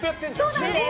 そうなんです。